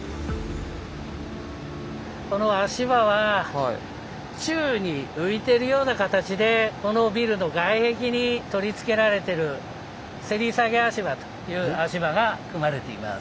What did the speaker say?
この足場は宙に浮いてるような形でこのビルの外壁に取り付けられてるせり下げ足場という足場が組まれています。